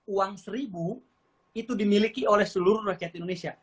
uang seribu itu dimiliki oleh seluruh rakyat indonesia